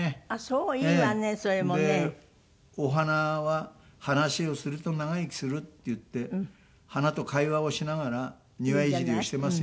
お花は話しをすると長生きするっていって花と会話をしながら庭いじりをしてますよ